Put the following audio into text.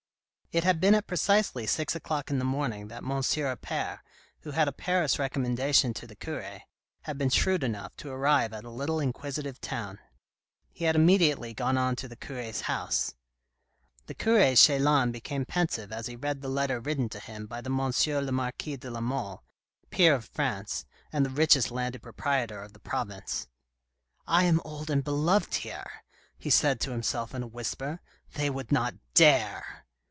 It had been at precisely six o'clock in the morning that M. Appert, who had a Paris recommendation to the cure, had been shrewd enough to arrive at a little inquisitive town. He had immediately gone on to the cure's house. The cure Chelan became pensive as he read the letter written to him by the M. le Marquis de La Mole, Peer of France, and the richest landed proprietor of the province. " I am old and beloved here," he said to himself in a whisper, " they would not dare